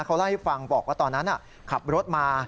เขาเล่าให้ฟังบอกว่าตอนนั้นขับรถมา